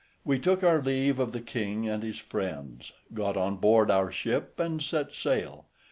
We took our leave of the king and his friends, got on board our ship, and set sail.